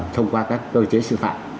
thông qua các cơ chế sử phạm